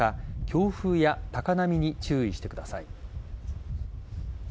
強風や高波に注意してください。